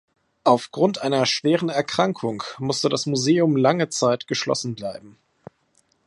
Auf Grund einer schweren Erkrankung musste das Museum lange Zeit geschlossen bleiben.